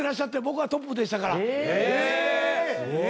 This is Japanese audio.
僕はトップでしたから。